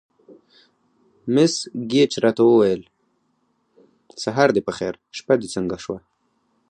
مس ګېج راته وویل: سهار دې په خیر، شپه دې څنګه شوه؟